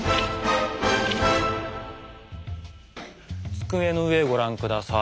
机の上ご覧下さい。